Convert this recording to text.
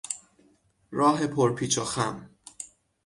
راه پرپیچ و خم